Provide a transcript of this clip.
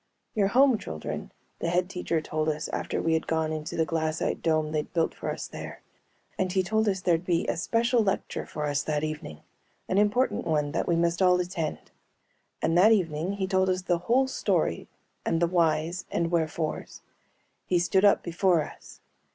"You're home, children," the Head Teacher told us after we had gone into the glassite dome they'd built for us there. And he told us there'd be a special lecture for us that evening, an important one that we must all attend. And that evening he told us the whole story and the whys and wherefores. He stood up before us.